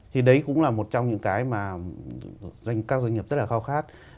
thì đấy cũng là một trong những cái mà các doanh nghiệp rất là khao khát